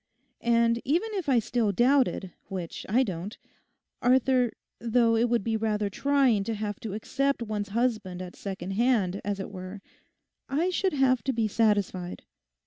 And even if I still doubted, which I don't, Arthur, though it would be rather trying to have to accept one's husband at second hand, as it were, I should have to be satisfied.